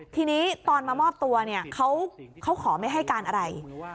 ทีนี้ตอนมามอบตัวเนี่ยเขาขอไม่ให้การอะไร